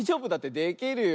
できるよ。